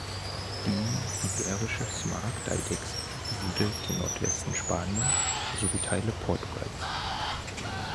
Die Iberische Smaragdeidechse besiedelt den Nordwesten Spaniens sowie Teile Portugals.